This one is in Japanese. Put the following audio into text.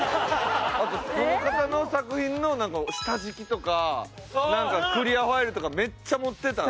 あとこの方の作品の下敷きとかなんかクリアファイルとかめっちゃ持ってた。